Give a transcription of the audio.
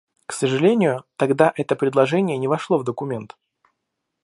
К сожалению, тогда это предложение не вошло в документ.